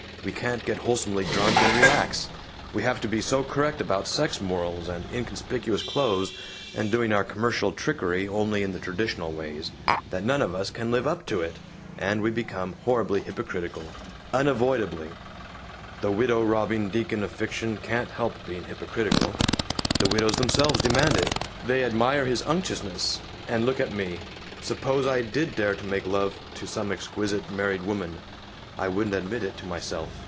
We can't get wholesomely drunk and relax. We have to be so correct about sex morals, and inconspicuous clothes, and doing our commercial trickery only in the traditional ways, that none of us can live up to it, and we become horribly hypocritical. Unavoidably. The widow robbing deacon of fiction can't help being hypocritical. The widows themselves demand it! They admire his unctuousness. And look at me. Suppose I did dare to make love to some exquisite married woman. I wouldn't admit it to myself.